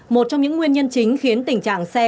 một trong những nguyên nhân chính khiến tình trạng xe